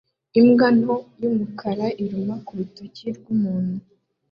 Imbwa nto y'umukara iruma ku rutoki rw'umuntu